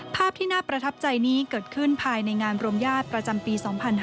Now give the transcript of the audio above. ภาพที่น่าประทับใจนี้เกิดขึ้นภายในงานรวมญาติประจำปี๒๕๕๙